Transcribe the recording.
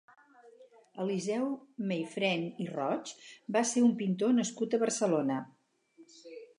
Eliseu Meifrèn i Roig va ser un pintor nascut a Barcelona.